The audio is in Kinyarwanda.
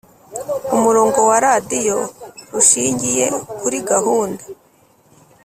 umurongo wa radiyo rushingiye kuri gahunda